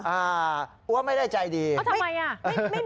เออเออว่าไม่ได้ใจดีอ้าวทำไมอ่ะ